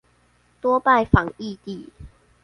多拜訪異地